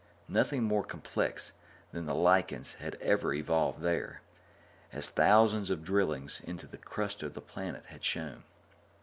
Nothing more complex than the lichens had ever evolved there, as thousands of drillings into the crust of the planet had shown.